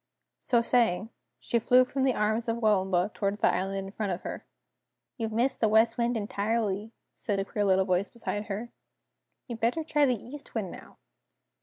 So saying, she flew from the arms of Waomba toward the island in front of her. "You've missed the West Wind entirely," said a queer little voice beside her. "You'd better try the East Wind, now!"